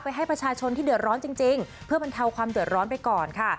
ให้ประชาชนที่เดือดร้อนจริงเพื่อบรรเทาความเดือดร้อนไปก่อนค่ะ